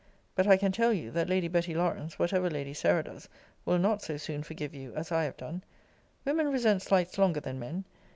But I can tell you, that Lady Betty Lawrance, whatever Lady Sarah does, will not so soon forgive you, as I have done. Women resent slights longer than men.